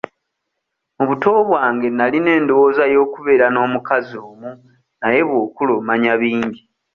Mu buto bwange nalina endowooza y'okubeera n'omukazi omu naye bw'okula omanya bingi.